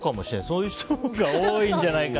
そういう人のほうが多いんじゃないかって。